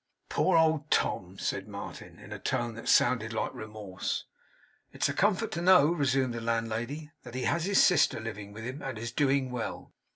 'Poor old Tom!' said Martin, in a tone that sounded like remorse. 'It's a comfort to know,' resumed the landlady, 'that he has his sister living with him, and is doing well.